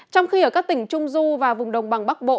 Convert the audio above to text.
trong khi ở các tỉnh trung du và vùng đồng bằng bắc bộ